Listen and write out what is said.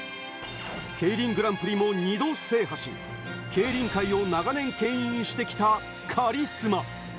ＫＥＩＲＩＮグランプリも２度制覇し、競輪界を長年、けん引してきたカリスマ。